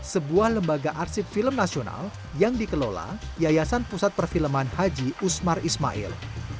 sebuah lembaga arsip film nasional yang dikelola yayasan pusat perfilman haji usmar ismail